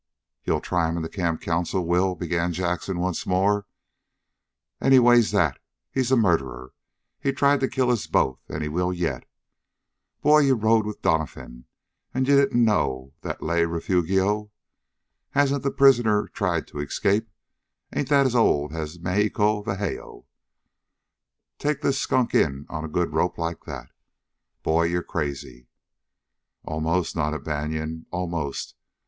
"Ye'll try him in the camp council, Will?" began Jackson once more. "Anyways that? He's a murderer. He tried to kill us both, an' he will yit. Boy, ye rid with Doniphan, an' don't know the ley refugio. Hasn't the prisoner tried to escape? Ain't that old as Mayheeco Veeayho? Take this skunk in on a good rope like that? Boy, ye're crazy!" "Almost," nodded Banion. "Almost.